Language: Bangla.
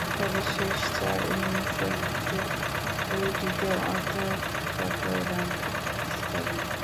তবে, শেষ চার ইনিংসের মধ্যে দুইটিতে অর্ধ-শতরানের ইনিংস খেলেন।